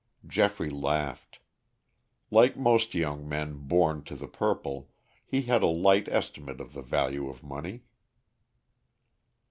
Geoffrey laughed. Like most young men born to the purple, he had a light estimate of the value of money.